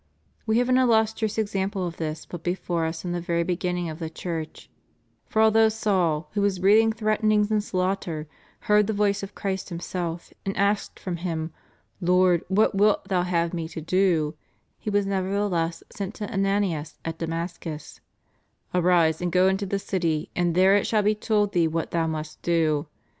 ^ We have an illustrious example of this put before us in the very beginning of the Church, for although Saul, who was breathing threatenings and slaughter,'^ heard the voice of Christ Himself, and asked from Him, Lord, what wilt Thou have me to do f he was nevertheless sent to Ananias at Damascus: Arise and go into the city, and there it shall be told thee what thou must do.